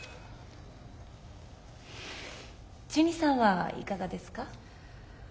ジュニさんはいかがですか？